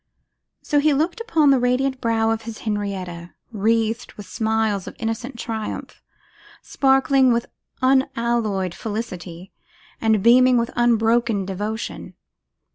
So he looked upon the radiant brow of his Henrietta, wreathed with smiles of innocent triumph, sparkling with unalloyed felicity, and beaming with unbroken devotion.